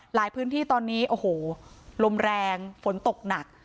พื้นที่ตอนนี้โอ้โหลมแรงฝนตกหนัก